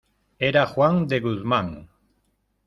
era Juan de Guzmán.